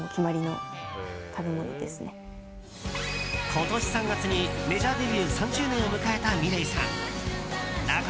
今年３月にメジャーデビュー３周年を迎えたｍｉｌｅｔさん。